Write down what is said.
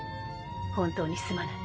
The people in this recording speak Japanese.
本当にすまない。